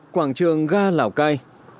quảng trường ga lào cai